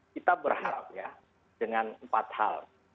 kita berharap ya dengan empat hal